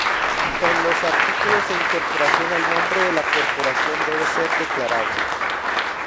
En los artículos de incorporación, el nombre de la corporación debe ser declarado.